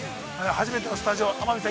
初めてのスタジオ天海さん